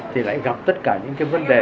thì lại gặp tất cả những cái vấn đề